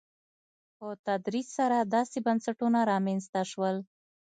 په تدریج سره داسې بنسټونه رامنځته شول.